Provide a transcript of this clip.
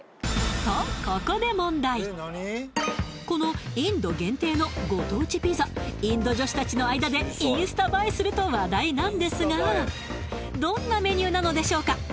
このインド限定のご当地ピザインド女子達の間でインスタ映えすると話題なんですがどんなメニューなのでしょうか